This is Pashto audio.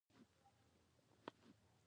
آیا تهران یو ډیر لوی ښار نه دی؟